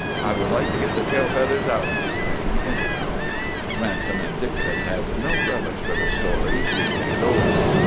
I would like to get the tail feathers out of this thing, anyhow." Ransom and Dickson had no relish for the story, three days old.